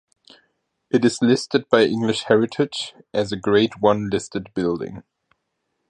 It is listed by English heritage as a Grade One listed building.